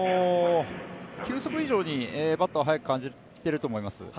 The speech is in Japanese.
球速以上にバッターは早く感じていると思います。